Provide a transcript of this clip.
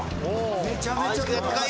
めちゃめちゃ羨ましい。